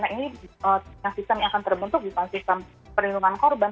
nah ini sistem yang akan terbentuk bukan sistem perlindungan korban